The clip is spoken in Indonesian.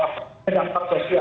tapi memang yang terjadi akan